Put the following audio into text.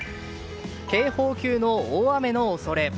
警報級の大雨の恐れ。